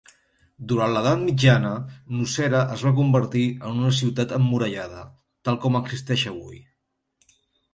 Durant l'Edat Mitjana, Nocera es va convertir en una ciutat emmurallada, tal com existeix avui.